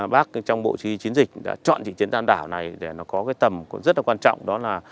bác trong bộ chỉ huy chiến dịch đã chọn chỉ trấn tân đảo này để nó có cái tầm còn rất là quan trọng đó là